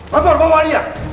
bapak bawa dia